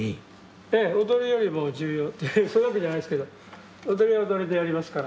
ええ踊りよりも重要ってそういうわけじゃないですけど踊りは踊りでやりますから。